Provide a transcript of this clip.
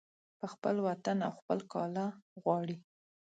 په خپل وطن او خپل کاله غواړي